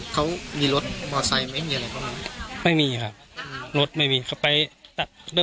เขามีรถมอเซ็นต์ไม่มีอะไรของมันไม่มีครับอืมรถไม่มีเขาไปตัด